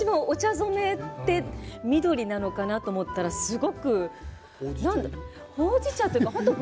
染めって緑なのかなと思ったら、すごくほうじ茶というか。